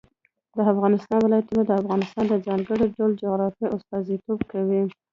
د افغانستان ولايتونه د افغانستان د ځانګړي ډول جغرافیه استازیتوب کوي.